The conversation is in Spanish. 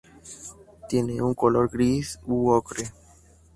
Tiene un color gris u ocre.